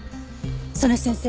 曽根先生